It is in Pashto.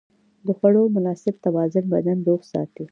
د خوړو مناسب توازن بدن روغ ساتي.